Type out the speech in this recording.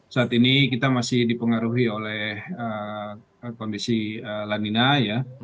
saat ini kita masih dipengaruhi oleh kondisi lanina ya